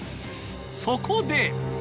そこで。